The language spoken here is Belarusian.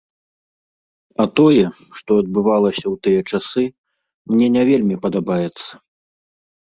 А тое, што адбывалася ў тыя часы, мне не вельмі падабаецца.